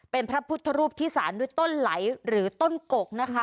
เป็นพระพุทธรูปที่สารด้วยต้นไหลหรือต้นกกนะคะ